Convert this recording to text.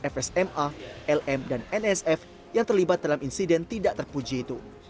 fsma lm dan nsf yang terlibat dalam insiden tidak terpuji itu